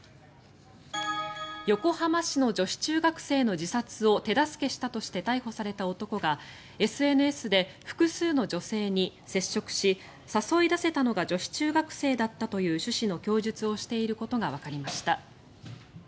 横浜市の女子中学生の自殺を手助けしたとして逮捕された男がＳＮＳで複数の女性に接触し誘い出せたのが女子中学生だったという趣旨の供述をしていることがわかりました。